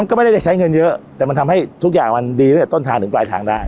ก็ไม่ได้จะใช้เงินเยอะแต่มันทำให้ทุกอย่างมันดีตั้งแต่ต้นทางถึงปลายทางได้